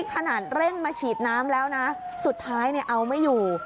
ขนาดเร่งมาฉีดน้ำแล้วนะสุดท้ายเนี่ยเอาไม่อยู่